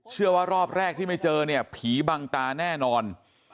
เชื่อว่ารอบแรกที่ไม่เจอเนี่ยผีบังตาแน่นอน